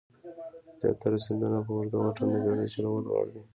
زیاتره سیندونه په اوږده واټن د بېړیو چلولو وړ دي.